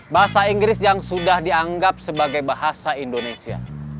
bahasa inggris yang sudah dianggap sebagai bahasa indonesia